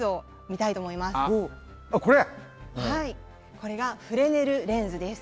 これがフレネルレンズです。